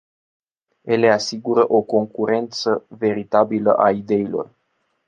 Ele asigură o concurență veritabilă a ideilor.